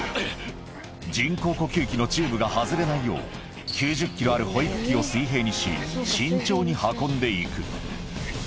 人工呼吸器のチューブが外れないよう、９０キロある保育器を水平にし、慎重に運んでいく。